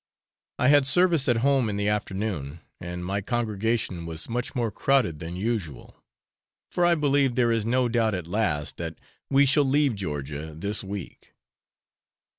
I had service at home in the afternoon, and my congregation was much more crowded than usual; for I believe there is no doubt at last that we shall leave Georgia this week.